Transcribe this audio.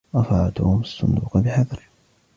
رفع توم الصندوق بحذر.